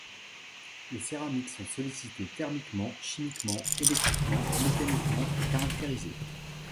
Les céramiques sont sollicitées, thermiquement, chimiquement, électriquement, mécaniquement et caractérisées.